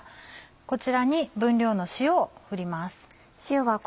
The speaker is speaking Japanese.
こちらに分量の塩を振ります。